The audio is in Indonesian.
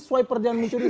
swiper jangan mencuri